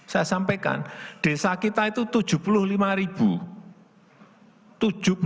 saya sampaikan desa kita itu tujuh puluh lima